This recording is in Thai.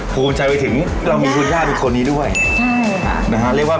ภูมิใจไปถึงเรามีคุณหญ้าและคุณผู้หญิงไว้ด้วย